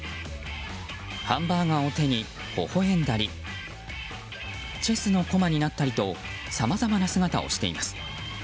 ハンバーガーを手にほほ笑んだりチェスの駒になったりとさまざまな姿をしています。